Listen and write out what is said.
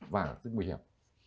và tức nguy hiểm